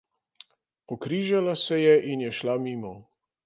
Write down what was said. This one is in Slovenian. Pokrižala se je in je šla mimo.